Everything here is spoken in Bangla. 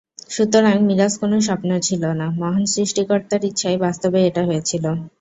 সুতরাং মিরাজ কোনো স্বপ্ন ছিল না, মহান সৃষ্টিকর্তার ইচ্ছায় বাস্তবেই এটা হয়েছিল।